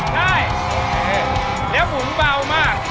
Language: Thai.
ใช่แล้วผมเบามาก